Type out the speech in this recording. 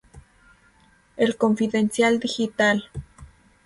El Confidencial Digital.